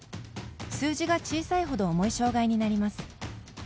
数字が小さいほど重い障がいになります。